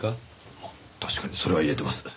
あ確かにそれは言えてます。